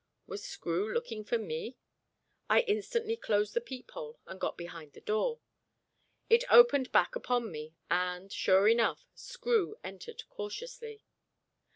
Was Screw looking for me? I instantly closed the peephole and got behind the door. It opened back upon me, and, sure enough, Screw entered cautiously.